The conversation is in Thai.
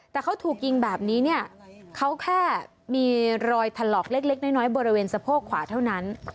แต่เขาถูกยิงแบบนี้เนี่ยเขาแค่มีรอยถลอกเล็กน้อยบริเวณสะโพกขวาเท่านั้น